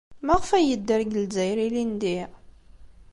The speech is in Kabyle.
Maɣef ay yedder deg Lezzayer ilindi?